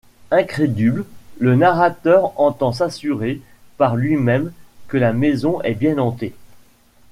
Incrédule, le narrateur entend s’assurer par lui-même que la maison est bien hantée.